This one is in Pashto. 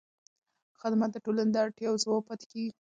خدمت د ټولنې د اړتیاوو ځواب پاتې کېږي.